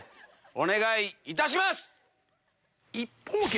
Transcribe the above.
お願いいたします。